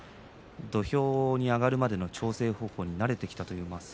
土俵に上がるまでの調整に慣れてきたということですね